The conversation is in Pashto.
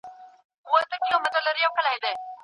ډاکټر به د وسع مطابق سترګي کښته اچوي.